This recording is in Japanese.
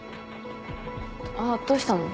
あっどうしたの？